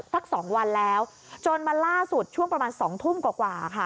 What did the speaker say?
ตั้งสองวันแล้วจนมาล่าสุดช่วงประมาณ๒ทุ่มกว่า